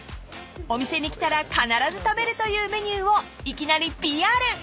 ［お店に来たら必ず食べるというメニューを］